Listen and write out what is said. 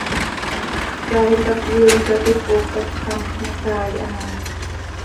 Caay cap yeen cap ipocaat x, anxö ma saai haa hi.